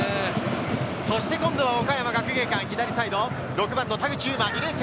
そして今度は岡山学芸館、左サイド、田口裕真・２年生。